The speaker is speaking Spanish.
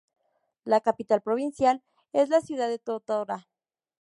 La capital provincial es la ciudad de Totora.